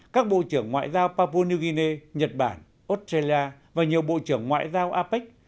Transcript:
các bộ trưởng ngoại giao papu new guinea nhật bản australia và nhiều bộ trưởng ngoại giao apec